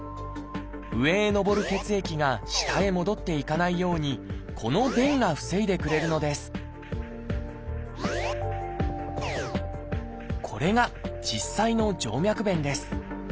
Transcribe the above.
上へのぼる血液が下へ戻っていかないようにこの弁が防いでくれるのですこれが実際の静脈弁です。